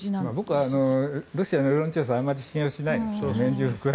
僕はロシアの世論調査をあまり信用しないんですね。